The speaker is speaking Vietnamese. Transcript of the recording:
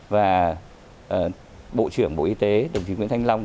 và bộ trưởng bộ y tế đồng chí nguyễn thanh long